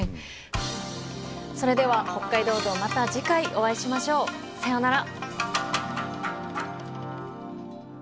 それでは「北海道道」また次回お会いしましょう。さようなら。